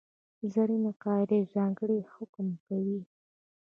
زرینه قاعده یو ځانګړی حکم کوي.